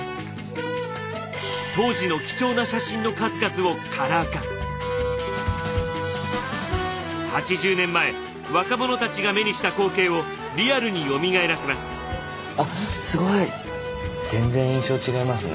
当時の貴重な写真の数々を８０年前若者たちが目にした光景をリアルによみがえらせます。